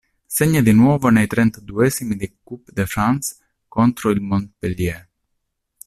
Segna di nuovo nei trentaduesimi di Coupe de France contro il Montpellier.